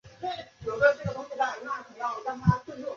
能量密度是指在一定的空间或质量物质中储存能量的大小。